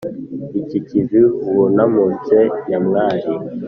iki kivi wunamutse nyamwari